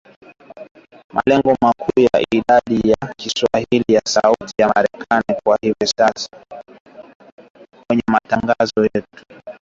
Malengo makuu ya Idhaa ya kiswahili ya Sauti ya Amerika kwa hivi sasa ni kuhakikisha tuna leta usawa wa jinsia kwenye matangazo yetu